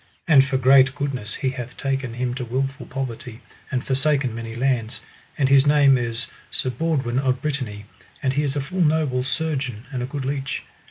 And for great goodness he hath taken him to wilful poverty, and forsaken many lands, and his name is Sir Baudwin of Brittany, and he is a full noble surgeon and a good leech.